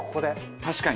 確かに。